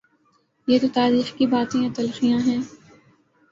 یہ تو تاریخ کی باتیں یا تلخیاں ہیں۔